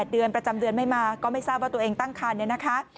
เดือนประจำเดือนไม่มาก็ไม่ทราบว่าตัวเองตั้งคันเนี่ยนะคะ